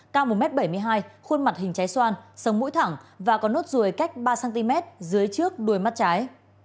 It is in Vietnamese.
cao một m bảy mươi hai khuôn mặt hình trái xoan sống mũi thẳng và có nốt ruồi cách ba cm dưới trước đuôi mắt trái